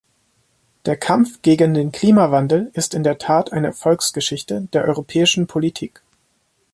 Der Kampf gegen den Klimawandel ist in der Tat eine Erfolgsgeschichte der europäischen Politik.